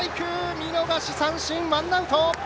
見逃し三振でワンアウト！